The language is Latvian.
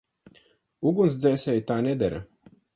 Ugunsdzēsēji tā nedara.